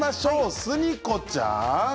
スニ子ちゃん！